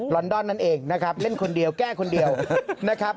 อนดอนนั่นเองนะครับเล่นคนเดียวแก้คนเดียวนะครับ